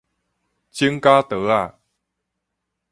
指甲刀仔